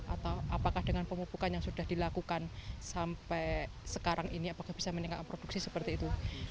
atau apakah dengan pemupukan yang sudah dilakukan sampai sekarang ini apakah bisa meningkatkan produksi seperti itu